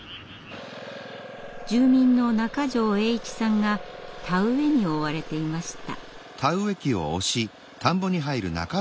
住民の中條栄一さんが田植えに追われていました。